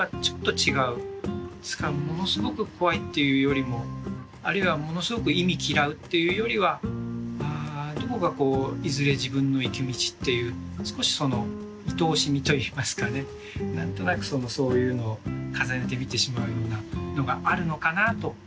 ですからものすごく怖いっていうよりもあるいはものすごく忌み嫌うっていうよりはどこかこういずれ自分の行く道っていう少しそのいとおしみといいますかね何となくそのそういうのを重ねて見てしまうようなのがあるのかなと。